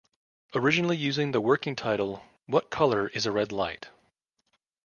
Originally using the working title What Color Is A Red Light?